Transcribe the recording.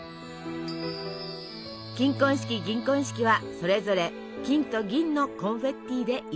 金婚式銀婚式はそれぞれ金と銀のコンフェッティで祝います。